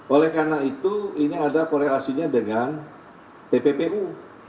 oleh karena itu ini ada korelasinya dengan tppu